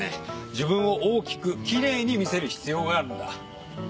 自分を大きくきれいに見せる必要があるんだ。